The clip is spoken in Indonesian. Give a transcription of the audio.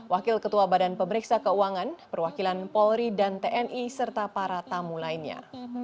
wakil ketua badan pemeriksa keuangan perwakilan polri dan tni serta para tamu lainnya